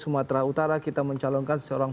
sumatera utara kita mencalonkan seorang